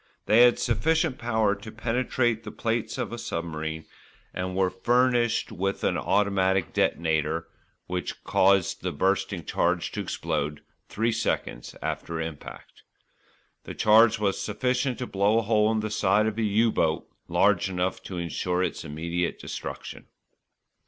They had sufficient power to penetrate the plates of a submarine, and were furnished with an automatic detonator, which caused the bursting charge to explode three seconds after impact. The charge was sufficient to blow a hole in the side of a "U" boat large enough to ensure its immediate destruction.